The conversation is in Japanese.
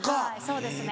そうですね。